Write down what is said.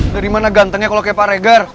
dari mana gantengnya kalau kayak pak regar